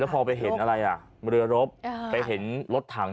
แล้วพอไปเห็นเรือรสไปเห็นรถถัง